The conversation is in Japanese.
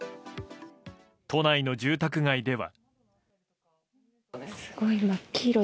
都内の住宅街では。